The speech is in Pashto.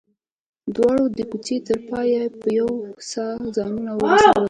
دواړو د کوڅې تر پايه په يوه ساه ځانونه ورسول.